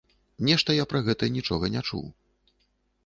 Нешта я пра гэта нічога не чуў.